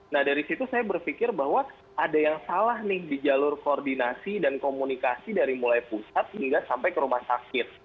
nah dari situ saya berpikir bahwa ada yang salah nih di jalur koordinasi dan komunikasi dari mulai pusat hingga sampai ke rumah sakit